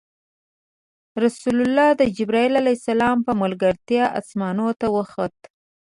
رسول الله د جبرایل ع په ملګرتیا اسمانونو ته وخوت.